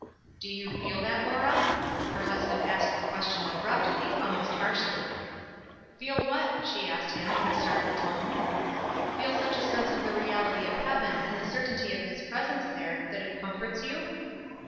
"Do you feel that, Laura?" Her husband asked the question abruptly, almost harshly. "Feel what?" she asked him, in a startled tone. "Feel such a sense of the reality of heaveu, WISE AND OTHERWISE. 377 and the certainty of his presence there, that it comforts you?"